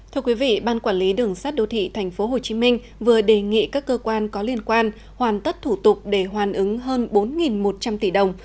thưa quý vị ban quản lý đường sát đô thị tp hcm vừa đề nghị các cơ quan có liên quan hoàn tất thủ tục để hoàn ứng hơn bốn một trăm linh tỷ đồng